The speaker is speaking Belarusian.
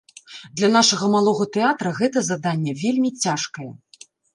Для нашага малога тэатра гэта заданне вельмі цяжкае.